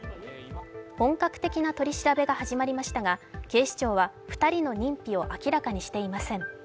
本格的な取り調べが始まりましたが、警視庁は２人の認否を明らかにしていません。